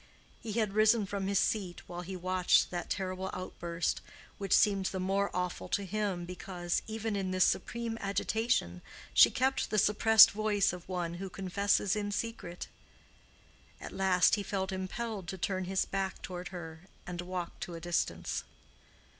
He had risen from his seat while he watched that terrible outburst—which seemed the more awful to him because, even in this supreme agitation, she kept the suppressed voice of one who confesses in secret. At last he felt impelled to turn his back toward her and walk to a distance.